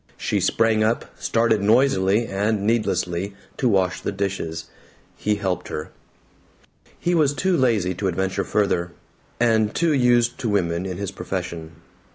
She sprang up, started noisily and needlessly to wash the dishes. He helped her. He was too lazy to adventure further and too used to women in his profession.